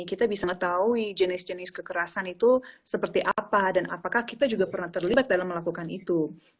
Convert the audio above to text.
kita bisa mengetahui jenis jenis kekerasan itu seperti apa dan apakah kita juga pernah terlibat dalam melakukan itu